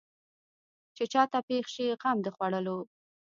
چې چا ته پېښ شي غم د خوړلو.